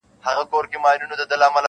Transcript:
د پلرونو د نیکونو له داستانه یمه ستړی-